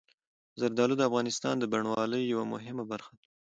زردالو د افغانستان د بڼوالۍ یوه مهمه برخه ده.